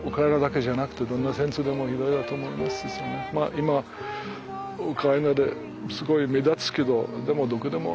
今はウクライナですごい目立つけどでもどこでもあるんじゃない。